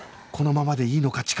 このままでいいのか？